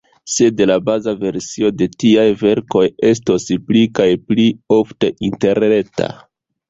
Sed la baza versio de tiaj verkoj estos pli kaj pli ofte interreta.